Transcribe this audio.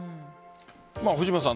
藤本さん